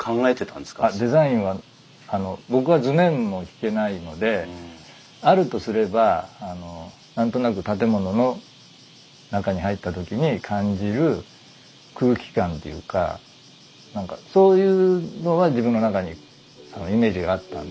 デザインはあの僕は図面も引けないのであるとすれば何となく建物の中に入った時に感じる空気感というか何かそういうのは自分の中にイメージがあったんで。